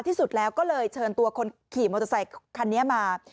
ที่สุดแล้วก็เลยเชิญตัวคนขี่มอเตอร์ไซคันนี้มา